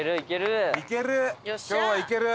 いける！